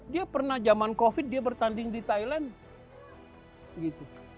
dia pernah zaman covid dia bertanding di thailand gitu